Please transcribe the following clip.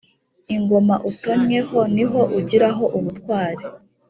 Ingoma utonnyeho niyo ugiraho ubutwari